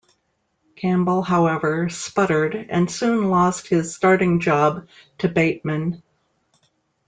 Campbell, however, sputtered, and soon lost his starting job to Bateman.